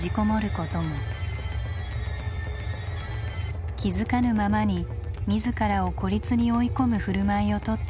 気付かぬままに自らを孤立に追い込む振る舞いをとってしまう。